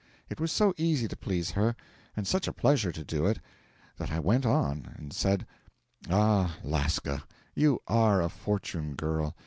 It was so easy to please her, and such a pleasure to do it, that I went on and said 'Ah, Lasca, you are a fortunate girl!